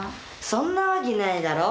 そんなわけないだろ。